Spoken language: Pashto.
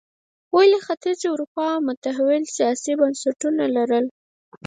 ولې ختیځې اروپا متحول سیاسي بنسټونه لرل.